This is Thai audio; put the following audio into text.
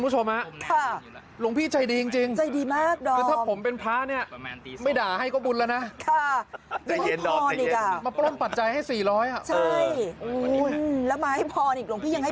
เสร็จเขาก็บอกว่าถ้าเดินไประวังหน่อยนะอีก๓ซอดไฟฟ้า